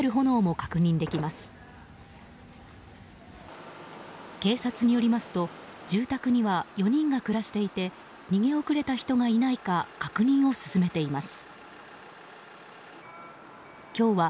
警察によりますと住宅には４人が暮していて逃げ遅れた人がいないか確認を進めています。